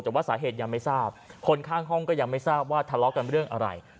แต่ว่าสาเหตุยังไม่ทราบคนข้างห้องก็ยังไม่ทราบว่าทะเลาะกันเรื่องอะไร